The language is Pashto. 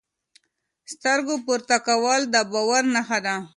سترګو پورته کول د باور نښه ده.